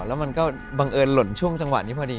แล้วมันก็บังเอิญหล่นช่วงจังหวะนี้พอดี